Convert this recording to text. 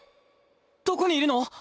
どこにいるの？